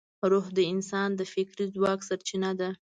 روح د انسان د فکري ځواک سرچینه ده.